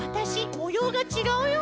もようがちがうよ」